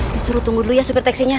disuruh tunggu dulu ya supertexi nya